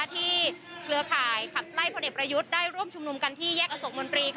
ที่เกลือข่ายไล่พลเด็กประยุทธ์ได้ร่วมชุมนุมกันที่แยกอสกมนตรี